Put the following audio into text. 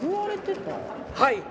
はい！